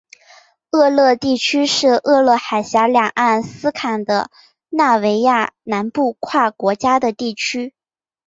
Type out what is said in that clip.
厄勒地区是厄勒海峡两岸斯堪的纳维亚南部跨国家的地区。